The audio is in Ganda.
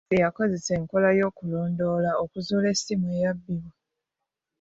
Poliisi yakozesa enkola y'okulondoola okuzuula essimu eyabbibwa.